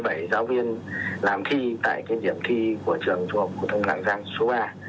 và bảy mươi bảy giáo viên làm thi tại cái điểm thi của trường trung học của tầng lạng giang số ba